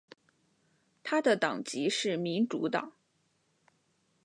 他的党籍是民主党。